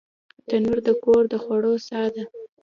تنور د کور د خوړو ساه ده